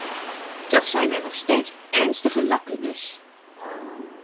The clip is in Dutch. Toch zijn er nog steeds ernstige lacunes.